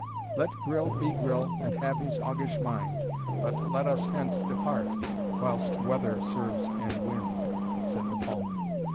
'Let Gryll be Gryll, and have his hoggish mind, But let us hence depart whilst weather serves and wind,' said the palmer.